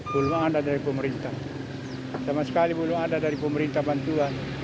belum ada dari pemerintah sama sekali belum ada dari pemerintah bantuan